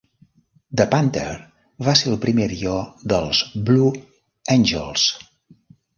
The Panter va ser el primer avió dels Blue Angels.